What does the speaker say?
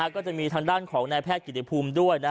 ก็จะมีทางด้านของนายแพทย์กิติภูมิด้วย